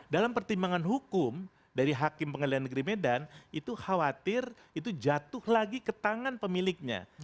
dalam pertimbangan hukum dari hakim pengadilan negeri medan itu khawatir itu jatuh lagi ke tangan pemiliknya